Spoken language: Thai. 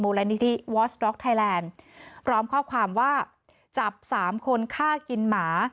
มูลนิธิไทยแลนด์ร้อมข้อความว่าจับสามคนฆ่ากินหมา